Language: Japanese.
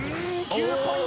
９ポイント。